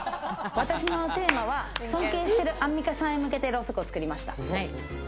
私のテーマは尊敬しているアンミカさんへ向けて、ろうそくを作りました。